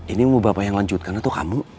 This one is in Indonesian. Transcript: ini mau bapak yang lanjutkan atau kamu